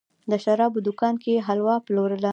د شرابو دوکان کې یې حلوا پلورله.